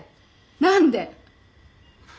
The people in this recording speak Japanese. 何で？